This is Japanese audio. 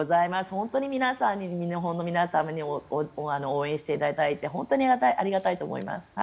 本当に日本の皆様に応援していただいて本当にありがたいと思います。